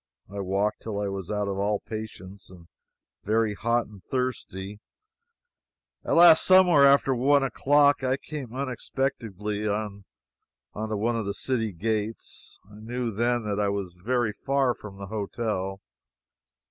I walked till I was out of all patience, and very hot and thirsty. At last, somewhere after one o'clock, I came unexpectedly to one of the city gates. I knew then that I was very far from the hotel.